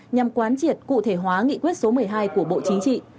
nhằm quán triệt cụ thể hóa nghị quyết số một mươi hai của bộ chính trị